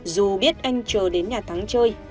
dù biết anh trờ đến nhà thắng chơi